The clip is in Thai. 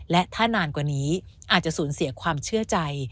และถ้านานกว่านี้อาจจะสูญเสียความเชื่อใจ